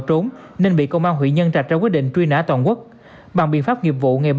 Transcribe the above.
trốn nên bị công an huyện nhân trạch ra quyết định truy nã toàn quốc bằng biện pháp nghiệp vụ ngày